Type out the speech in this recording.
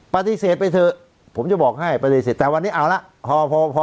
ปฏิเสธไปเถอะผมจะบอกให้ปฏิเสธแต่วันนี้เอาละพอพอ